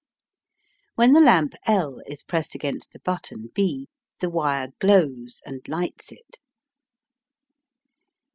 When the lamp L is pressed against the button B the wire glows and lights it.